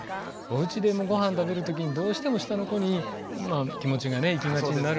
おうちでもごはん食べる時にどうしても下の子に気持ちがいきがちになるので。